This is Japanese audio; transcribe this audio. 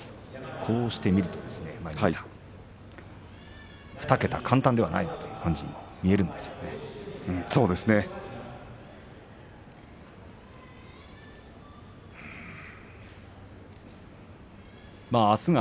こうして見ると２桁簡単ではないなというふうに見えるんですが。